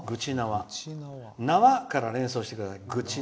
「なわ」から連想してください。